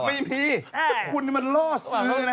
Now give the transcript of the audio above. ไม่มีคุณมันล่อซือนะ